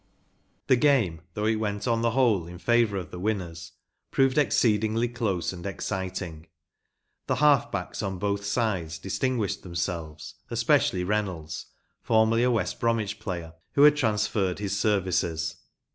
The game, though it went on the whole in favour of the winners, proved exceedingly close and exciting. T he half backs on both sides distinguished them¬ selves, especially Reynolds, formerly a West Bromwich player* who had transferred his services.